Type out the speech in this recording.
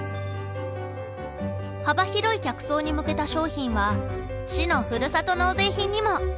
幅広い客層に向けた商品は市のふるさと納税品にも。